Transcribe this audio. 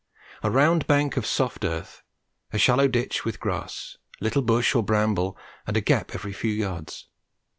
A round bank of soft earth, a shallow ditch with grass, little bush or bramble, and a gap every few yards.